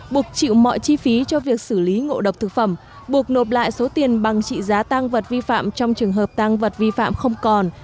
buộc chịu mọi chi phí cho việc xử lý ngộ độc thực phẩm buộc nộp lại số tiền bằng trị giá tăng vật vi phạm trong trường hợp tăng vật vi phạm không còn